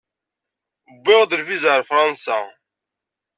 Wwiɣ-d lviza ar Fransa.